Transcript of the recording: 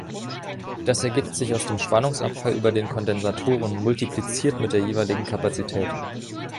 Das ergibt sich aus dem Spannungsabfall über den Kondensatoren multipliziert mit der jeweiligen Kapazität.